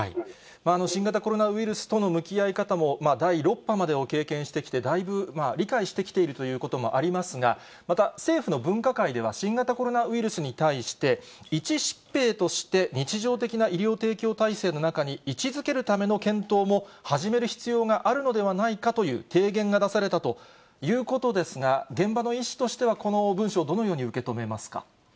新型コロナウイルスとの向き合い方も、第６波までを経験してきて、だいぶ理解してきているということもありますが、また、政府の分科会では、新型コロナウイルスに対して、一疾病として日常的な医療提供体制の中に位置づけるための検討も始める必要があるのではないかという提言が出されたということですが、現場の医師としては、この文章を、どのように受け止めますか？